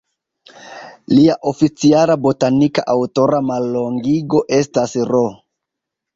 Lia oficiala botanika aŭtora mallongigo estas "R.